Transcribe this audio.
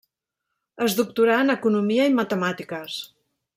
Es doctorà en Economia i Matemàtiques.